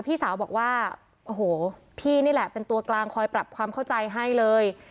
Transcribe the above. พี่สาวบอกว่าโอ้โหพี่นี่แหละเป็นตัวกลางคอยปรับความเข้าใจให้เลย